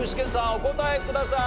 お答えください。